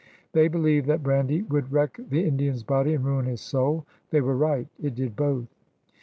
They believed that brandy would wreck tiie Indian's body and ruin his soul. They were right; it did both.